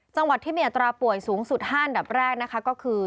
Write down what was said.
จังหวัดที่มีอัตราป่วยสูงสุด๕อันดับแรกนะคะก็คือ